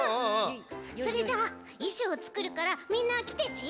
それじゃあいしょうつくるからみんなきてち。